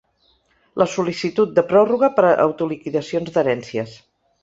La sol·licitud de pròrroga per a autoliquidacions d’herències.